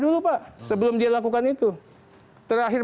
dulu pak sebelum dia lakukan itu terakhir